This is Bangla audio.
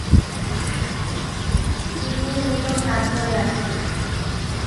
তিনি নীলুর হাত ধরে আছেন।